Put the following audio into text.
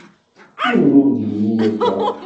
Yiwen ur d-yenni akka.